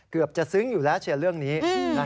เกือบจะซึ้งอยู่แล้วเชียร์เรื่องนี้